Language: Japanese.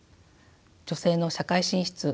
女性の社会進出